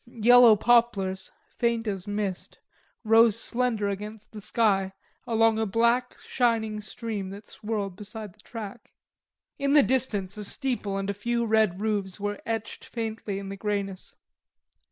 Yellow poplars, faint as mist, rose slender against the sky along a black shining stream that swirled beside the track. In the distance a steeple and a few red roofs were etched faintly in the greyness.